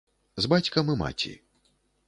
З бацькам і маці.